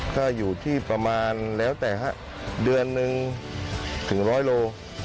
ก็อยู่ที่ประมาณแล้วแต่เดือนหนึ่งถึงร้อยโล